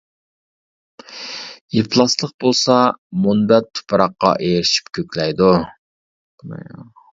ئىپلاسلىق بولسا مۇنبەت تۇپراققا ئېرىشىپ كۆكلەيدۇ.